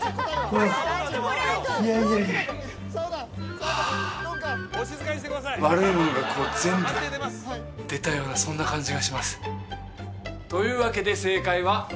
これいやいやいやはあ悪いものが全部出たようなそんな感じがしますというわけで正解は